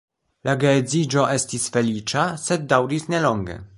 La geedziĝo estis feliĉa, sed daŭris nelonge.